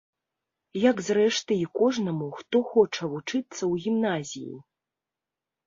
Як, зрэшты, і кожнаму, хто хоча вучыцца ў гімназіі.